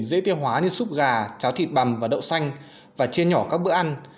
dễ tiêu hóa như xúc gà cháo thịt bằm và đậu xanh và chia nhỏ các bữa ăn